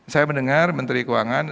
saya mendengar menteri keuangan